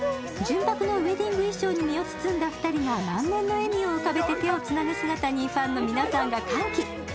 純白のウエディング衣装に身を包んだ２人が満面の笑みを浮かべて手をつなぐ姿にファンの皆さんが歓喜。